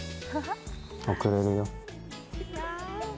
遅れるよ。